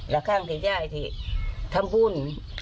ก็อย่างนี้ดรมบุญ